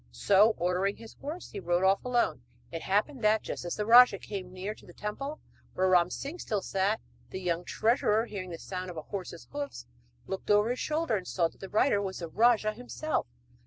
So ordering his horse he rode off alone. It happened that, just as the rajah came near to the temple where Ram Singh still sat, the young treasurer, hearing the sound of a horse's hoofs, looked over his shoulder and saw that the rider was the rajah himself!